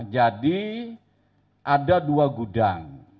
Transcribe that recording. jadi ada dua gudang